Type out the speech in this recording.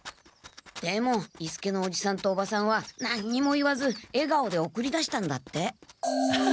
でも伊助のおじさんとおばさんは何にも言わずえがおで送り出したんだって。